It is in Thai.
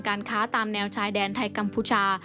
การค้าตามแนวชายแดนไทยกัมพูชา